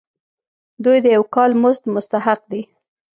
دوی د یو کال مزد مستحق دي.